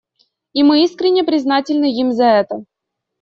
И мы искренне признательны им за это.